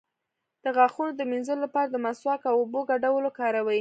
د غاښونو د مینځلو لپاره د مسواک او اوبو ګډول وکاروئ